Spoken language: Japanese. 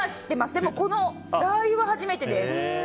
でもこのラー油は初めてです。